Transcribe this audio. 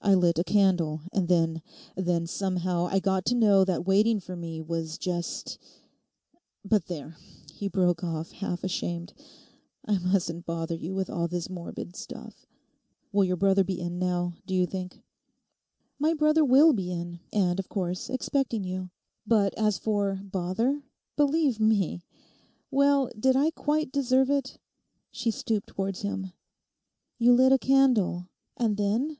I lit a candle, and then—then somehow I got to know that waiting for me was just—but there,' he broke off half ashamed, 'I mustn't bother you with all this morbid stuff. Will your brother be in now, do you think?' 'My brother will be in, and, of course, expecting you. But as for "bother," believe me—well, did I quite deserve it?' She stooped towards him. 'You lit a candle—and then?